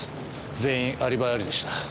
全員アリバイありでした。